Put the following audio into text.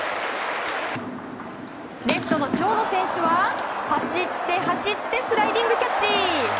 レフトの長野選手は走って、走ってスライディングキャッチ。